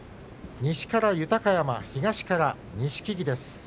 西から豊山東から錦木です。